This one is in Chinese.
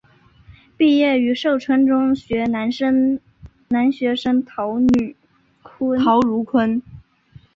毕业于寿春中学男学生陶汝坤。